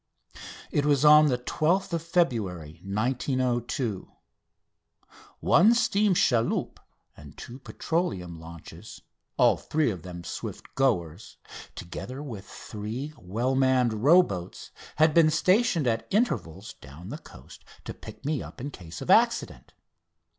It was on the 12th of February 1902. One steam chaloupe and two petroleum launches, all three of them swift goers, together with three well manned row boats, had been stationed at intervals down the coast to pick me up in case of accident.